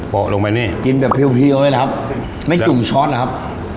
ปลอกลงไปนี่กินแบบเพียวเพียวไว้นะครับไม่จุ่มชอตนะครับ